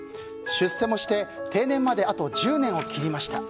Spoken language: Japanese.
出世もして定年まであと１０年を切りました。